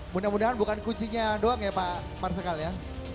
mudah mudahan bukan kuncinya doang ya pak marsikal ya